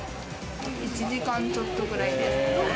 １時間ちょっとくらいです。